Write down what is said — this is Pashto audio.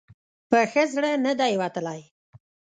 په ښه زړه نه دی وتلی.